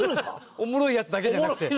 おもろいのだけじゃなくて？